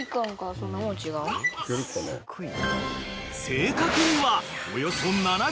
［正確には］